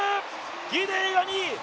ギデイが２位！